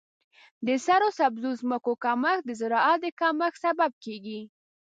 د سرسبزو ځمکو کمښت د زراعت د کمښت سبب کیږي.